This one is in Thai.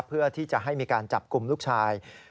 เพื่อที่จะให้มีการจับกลุ่มลูกชาย